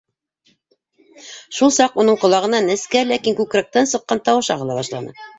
Шул саҡ уның ҡолағына нескә, ләкин күкрәктән сыҡҡан тауыш ағыла башланы: